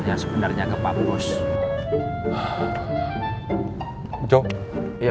yang sebenarnya kebapaknya